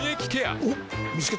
おっ見つけた。